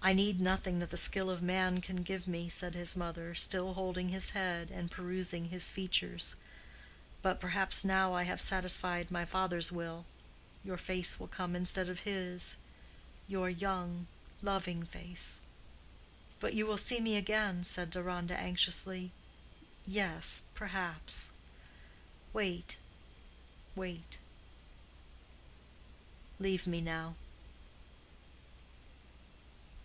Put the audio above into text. "I need nothing that the skill of man can give me," said his mother, still holding his head, and perusing his features. "But perhaps now I have satisfied my father's will, your face will come instead of his—your young, loving face." "But you will see me again?" said Deronda, anxiously. "Yes—perhaps. Wait, wait. Leave me now."